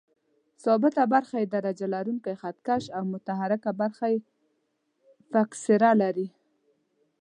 ثابته برخه یې درجه لرونکی خط کش او متحرکه برخه یې فکسره لري.